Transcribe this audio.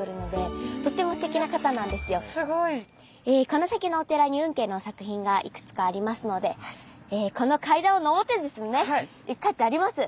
この先のお寺に運慶の作品がいくつかありますのでこの階段を上ってですね行く価値あります。